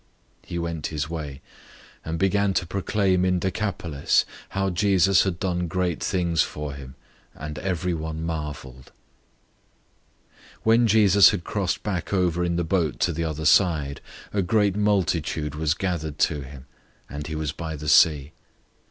005:020 He went his way, and began to proclaim in Decapolis how Jesus had done great things for him, and everyone marveled. 005:021 When Jesus had crossed back over in the boat to the other side, a great multitude was gathered to him; and he was by the sea.